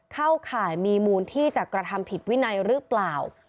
เข้าข่ายมีมูลที่จะกระทำผิดวินัยหรือเปล่า